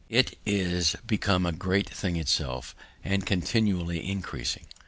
It is become a great thing itself, and continually increasing.